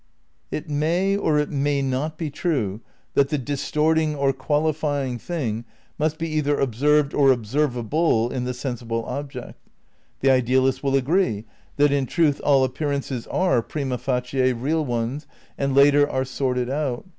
It may or it may not be true that the distorting or qualifying thing must be "either observed or observ able in the sensible object ;" the idealist will agree that "in truth all appearances are prima facie real ones, and later are sorted out.